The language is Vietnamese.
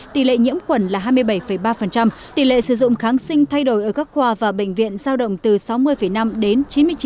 tỷ lệ nhiễm khuẩn là hai mươi bảy ba tỷ lệ sử dụng kháng sinh thay đổi ở các khoa và bệnh viện sao động từ sáu mươi năm đến chín mươi chín